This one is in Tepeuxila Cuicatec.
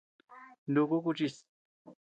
Nuku kuchis.